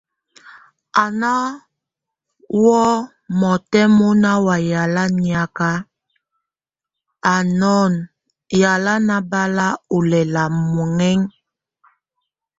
A ná wʼ omɔtɛ́ mona wa yála niak, a nɔn yala nábal ólɛlak muɛŋɛŋ.